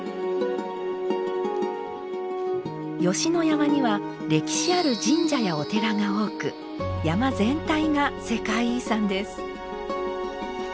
吉野山には歴史ある神社やお寺が多く山全体が世界遺産です。